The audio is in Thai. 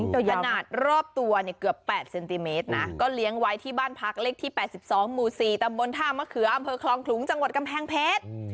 ตัวขนาดรอบตัวเนี่ยเกือบ๘เซนติเมตรนะก็เลี้ยงไว้ที่บ้านพักเลขที่๘๒หมู่๔ตำบลท่ามะเขืออำเภอคลองขลุงจังหวัดกำแพงเพชร